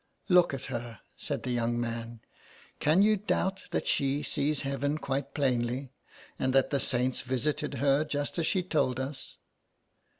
"Look at her," said the young man, "can you doubt that she sees Heaven quite plainly, and that the saints visited her just as she told us.''